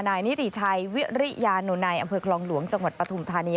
นิติชัยวิริยาโนนายอำเภอคลองหลวงจังหวัดปฐุมธานี